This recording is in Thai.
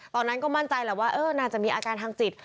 ตอนนั้นก็มั่นใจแหละว่าน่าจะมีอาการทางจิต